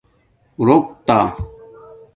رُوکتا